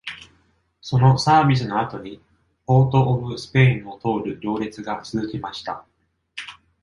そのサービスの後にポートオブスペインを通る行列が続きました。